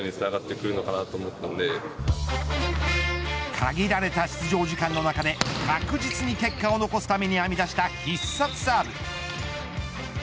限られた出場時間の中で確実に結果を残すために編み出した必殺サーブ。